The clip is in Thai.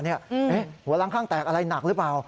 หัวล้างข้างแตกอะไรหนักหรือเปล่า